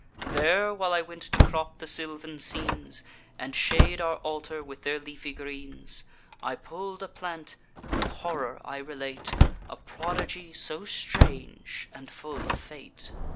There, while I went to crop the sylvan scenes, And shade our altar with their leafy greens, I pull'd a plant; with horror I relate A prodigy so strange and full of fate.